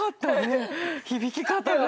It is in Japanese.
響き方が。